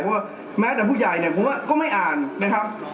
เพราะว่าแม้แต่ผู้ใหญ่เนี่ยผมว่าก็ไม่อ่านนะครับ